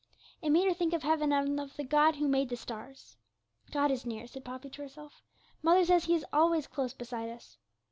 It made her think of heaven, and of God who made the stars. 'God is near,' said Poppy to herself. 'Mother says He is always close beside us.